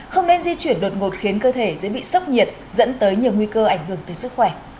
không nên di chuyển đột ngột khiến cơ thể dễ bị sốc nhiệt dẫn tới nhiều nguy cơ ảnh hưởng tới sức khỏe